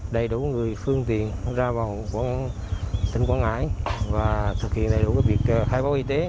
đầy đủ người phương tiện ra vào tỉnh quảng ngãi và thực hiện đầy đủ việc khai báo y tế